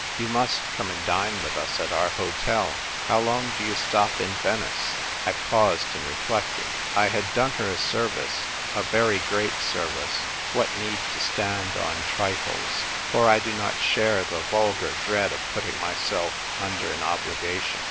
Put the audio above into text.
You must come and dine with us at our hotel. How long do you stop in Venice ?" I paused and reflected. I had done her a service— a very great service ; what need to stand on trifles ? For I do not share the vulgar dread of putting myself under an obligation.